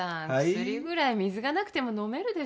薬ぐらい水がなくても飲めるでしょ。